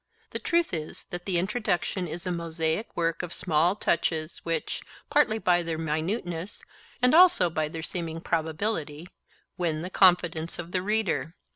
The truth is that the introduction is a mosaic work of small touches which, partly by their minuteness, and also by their seeming probability, win the confidence of the reader.